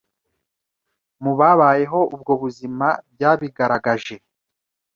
mu babayeho ubwo buzima byabigaragaje.